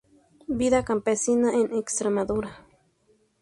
Vida campesina en Extremadura.